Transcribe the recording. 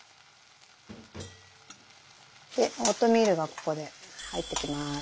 でオートミールがここで入ってきます。